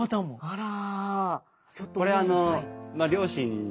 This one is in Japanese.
あら。